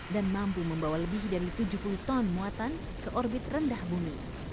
dan mampu membawa lebih dari tujuh puluh ton muatan ke orbit rendah bumi